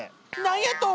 何やと！